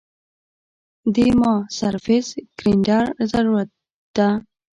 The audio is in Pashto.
دې ما سرفېس ګرېنډر ضرورت ده